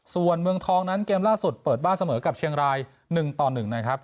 ส่วนเมืองทองนั้นเกมล่าสุดเปิดบ้านเสมอกับเชียงราย๑ต่อ๑นะครับ